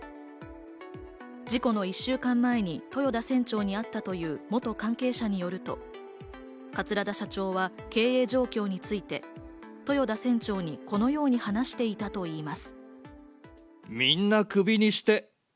事故の１週間前に豊田船長に会ったという元関係者によると、桂田社長は経営状況について、豊田船長にこのように話していたといいます。